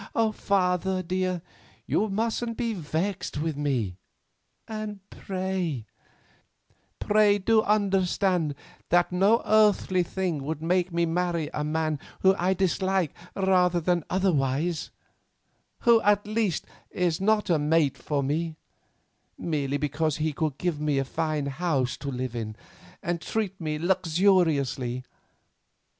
Father, dear, you mustn't be vexed with me; and pray—pray do understand that no earthly thing would make me marry a man whom I dislike rather than otherwise; who, at least, is not a mate for me, merely because he could give me a fine house to live in, and treat me luxuriously.